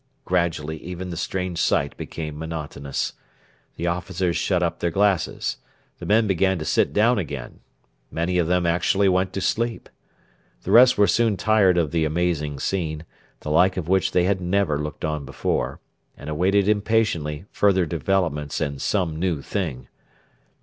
Gradually even the strange sight became monotonous. The officers shut up their glasses. The men began to sit down again. Many of them actually went to sleep. The rest were soon tired of the amazing scene, the like of which they had never looked on before, and awaited impatiently further developments and 'some new thing.'